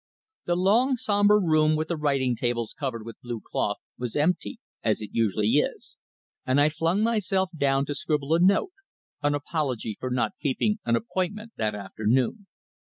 The long, sombre room with the writing tables covered with blue cloth, was empty, as it usually is, and I flung myself down to scribble a note an apology for not keeping an appointment that afternoon.